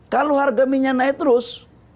kalau harga minyak naik terus